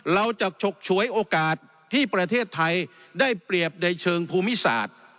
ฉกฉวยโอกาสที่ประเทศไทยได้เปรียบในเชิงภูมิศาสตร์